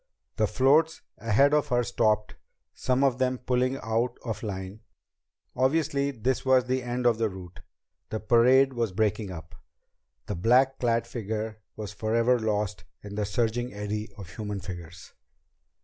The floats ahead of her stopped, some of them pulling out of line. Obviously this was the end of the route. The parade was breaking up. The black clad figure was forever lost in the surging eddy of human figures.